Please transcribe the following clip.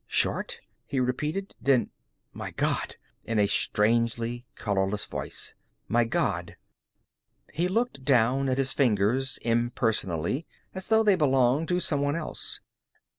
"Short?" he repeated. Then, "My God!" in a strangely colorless voice "My God!" He looked down at his fingers impersonally, as though they belonged to some one else.